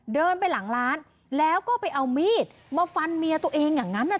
เดินไปหลังร้านแล้วก็ไปเอามีดมาฟันเมียตัวเองอย่างนั้น